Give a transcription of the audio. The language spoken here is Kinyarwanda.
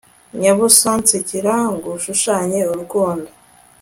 nyabusa nsekera ngushushanye urukundo